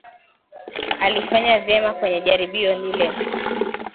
Alifanya vyema kwenye jaribio lile